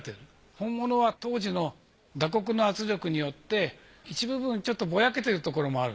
本物は当時の打刻の圧力によって一部分ちょっとぼやけてるところもある。